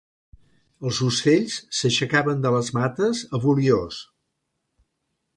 Els ocells s'aixecaven de les mates a voliors.